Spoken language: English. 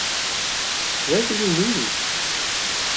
Where did you leave it?